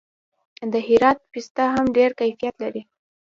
د هرات پسته هم ډیر کیفیت لري.